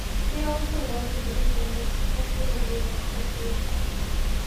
He also worked with the victims of sexual abuse and sexual assault.